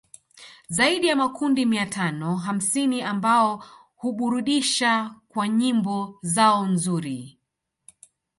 Zaidi ya makundi mia tano hamsini ambao huburudisha kwa nyimbo zao nzuri